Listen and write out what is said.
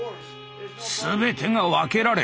全てが分けられている。